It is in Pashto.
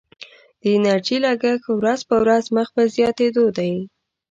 د انرژي لګښت ورځ په ورځ مخ په زیاتیدو دی.